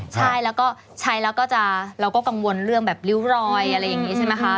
ใช่แล้วก็ใช้แล้วก็จะเราก็กังวลเรื่องแบบริ้วรอยอะไรอย่างนี้ใช่ไหมคะ